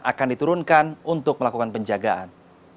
akan diturunkan untuk melakukan penjagaan